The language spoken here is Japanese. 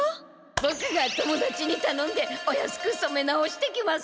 ボクがともだちにたのんでお安くそめ直してきます！